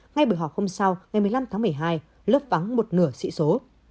ngay bữa học hôm sau ngày một mươi năm tháng một mươi hai lớp vắng một nửa sĩ số